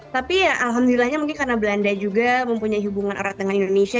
tapi ya alhamdulillahnya mungkin karena belanda juga mempunyai hubungan erat dengan indonesia